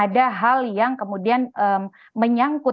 dan daftar pemerintah dan konstitusi